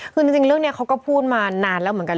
คือจริงเรื่องนี้เขาก็พูดมานานแล้วเหมือนกัน